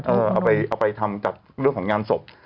เอาไปทำจากเรื่องของงานศพ